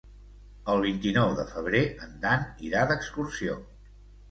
El vint-i-nou de febrer en Dan irà d'excursió.